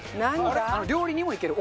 料理にもいける。